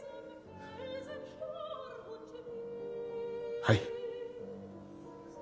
はい。